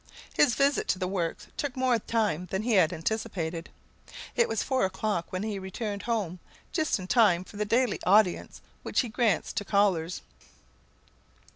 His visit to the works took more time than he had anticipated. It was four o'clock when he returned home, just in time for the daily audience which he grants to callers.